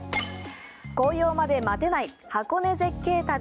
紅葉まで待てない箱根絶景旅。